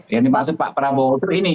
yang dimaksud pak prabowo itu ini